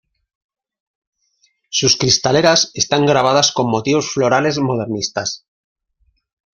Sus cristaleras están grabadas con motivos florales modernistas.